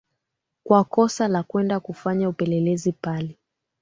kwa kosa la kwenda kufanya upelelezi pale